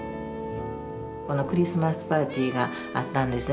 クリスマスパーティーがあったんですね。